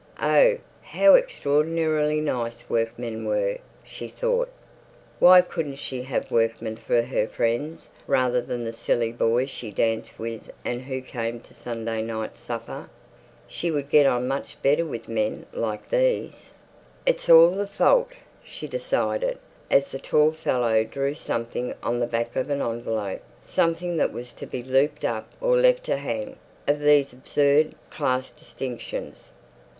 Oh, how extraordinarily nice workmen were, she thought. Why couldn't she have workmen for her friends rather than the silly boys she danced with and who came to Sunday night supper? She would get on much better with men like these. It's all the fault, she decided, as the tall fellow drew something on the back of an envelope, something that was to be looped up or left to hang, of these absurd class distinctions.